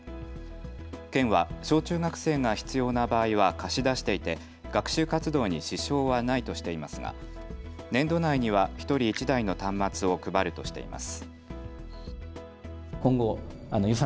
県は小中学生が必要な場合は貸し出していて学習活動に支障はないとしていますが年度内には１人１台の端末を配るとしています。